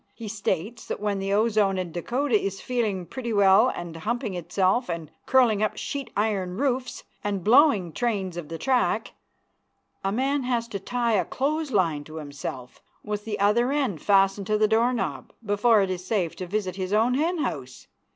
He states that when the ozone in Dakota is feeling pretty well and humping itself and curling up sheet iron roofs and blowing trains of the track, a man has to tie a clothes line to himself, with the other end fastened to the door knob, before it is safe to visit his own hen house.